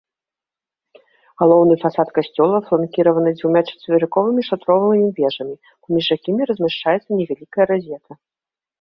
Галоўны фасад касцёла фланкіраваны дзвюма чацверыковымі шатровымі вежамі, паміж якімі размяшчаецца невялікая разета.